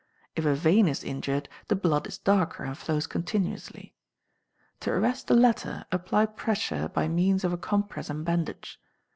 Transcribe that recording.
If a vein is injured, the blood is darker and flows continuously. To arrest the latter, apply pressure by means of a compress and bandage.